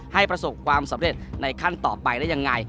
ประสบความสำเร็จในขั้นต่อไปได้ยังไง